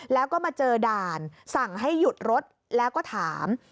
แล้วก็มาเจอด่านสั่งให้หยุดรถแล้วก็ถาม